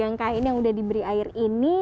karena memegang kain yang sudah diberi air ini